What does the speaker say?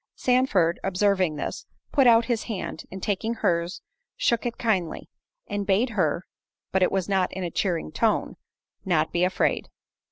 Sandford observing this, put out his hand, and taking hers, shook it kindly; and bade her (but it was not in a cheering tone) "not be afraid."